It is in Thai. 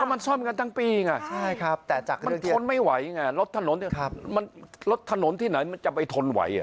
มันซ่อมกันทั้งปีไงมันทนไม่ไหวไงรถถนนที่ไหนมันจะไปทนไหว